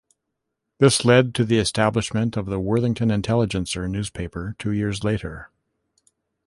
This led to the establishment of the "Worthington Intelligencer" newspaper two years later.